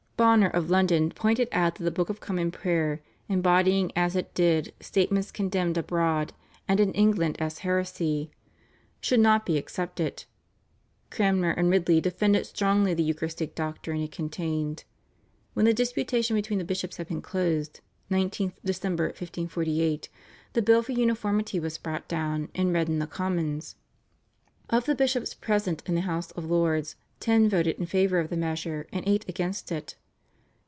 Bonner of London pointed out that the Book of Common Prayer, embodying as it did statements condemned abroad and in England as heresy, should not be accepted. Cranmer and Ridley defended strongly the Eucharistic doctrine it contained. When the disputation between the bishops had been closed (19th Dec., 1548) the Bill for Uniformity was brought down and read in the Commons. Of the bishops present in the House of Lords ten voted in favour of the measure and eight against it.